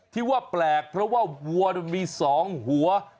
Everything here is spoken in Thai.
ที่ว่าแปลกเพราะว่าวัวมี๒หัว